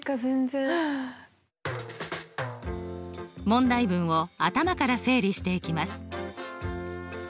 問題文を頭から整理していきます。